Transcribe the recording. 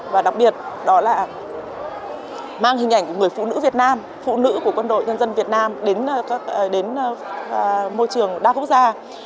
và đặc biệt đó là mang hình ảnh của người phụ nữ việt nam phụ nữ của quân đội nhân dân việt nam đến môi trường đa quốc gia